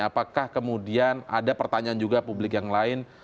apakah kemudian ada pertanyaan juga publik yang lain